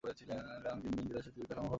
আমি দিন দিন হৃদয়ে শক্তির বিকাশ অনুভব করছি।